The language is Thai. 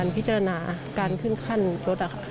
พิจารณาการขึ้นขั้นรถ